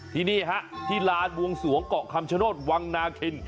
ที่นี่ฮะที่ลานบวงสวงเกาะคำชโนธวังนาคิน